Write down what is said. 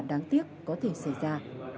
đáng tiếc có thể xảy ra